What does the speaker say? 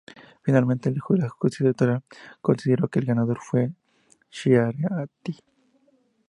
Finalmente la Justicia Electoral consideró que el ganador fue Schiaretti.